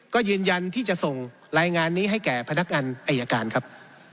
ก็ยืนยันที่จะส่งรายงานนี้ให้แก่พนักงานอายการครับ